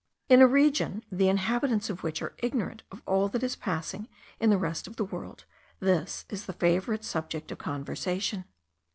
In a region the inhabitants of which are ignorant of all that is passing in the rest of the world, this is the favourite subject of conversation.